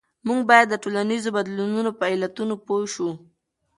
موږ باید د ټولنیزو بدلونونو په علتونو پوه شو.